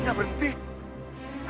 airnya berhenti itu